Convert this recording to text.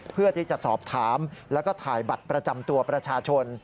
เพื่อที่จะสอบถามแล้วก็ถ่ายบัตรประจำตัวประชาชน